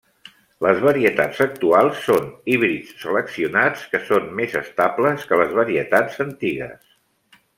Les varietats actuals són híbrids seleccionats que són més estables que les varietats antigues.